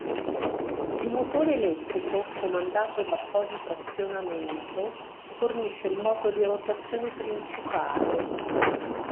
Il motore elettrico, comandato da apposito azionamento, fornisce il moto di rotazione principale.